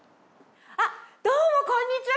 どうもこんにちは！